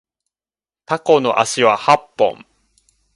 タコの足は八本